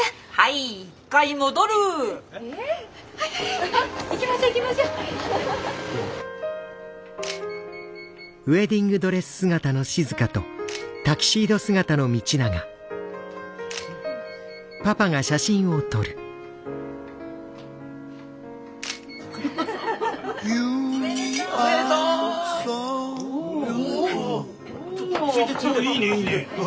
いいねいいね！